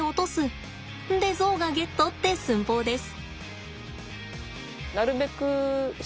でゾウがゲットって寸法です。